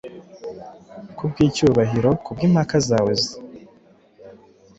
Kubwicyubahiro kubwimpaka zawe zoe